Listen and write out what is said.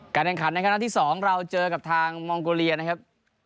การแข่งขันในค่าน้ำที่สองเราเจอกับทางมองโกเลียนะครับ